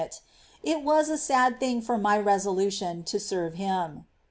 411 it ; it was a sad thing for my resolution to serve Him.